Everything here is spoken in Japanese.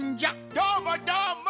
どーもどーも！